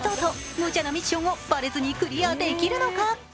無茶なミッションをバレずにクリアできるのか？